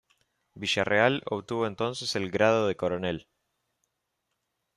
Villarreal obtuvo entonces el grado de coronel.